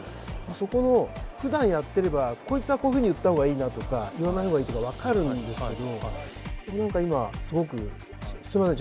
そこも普段やってればこいつはこういう風に言った方がいいなとか言わない方がいいとかわかるんですけどでもなんか今すごくすみません